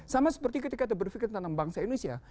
sama seperti ketika kita berpikir tentang bangsa indonesia